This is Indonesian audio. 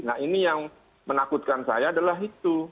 nah ini yang menakutkan saya adalah itu